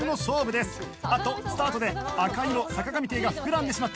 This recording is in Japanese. あっとスタートで赤色坂上艇が膨らんでしまった。